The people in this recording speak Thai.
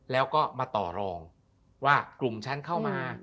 แล้วก็มาต่อรองว่ากลุ่มฉันเข้ามา